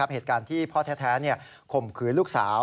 เหตุการณ์ที่พ่อแท้ข่มขืนลูกสาว